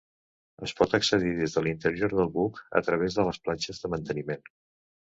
Es pot accedir des de l'interior del buc a través de les planxes de manteniment.